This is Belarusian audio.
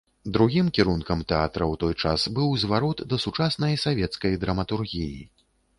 Другім кірункам тэатра ў той час быў зварот да сучаснай савецкай драматургіі.